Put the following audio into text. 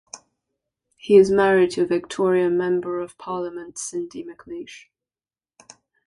He is married to Victorian Member of Parliament Cindy McLeish.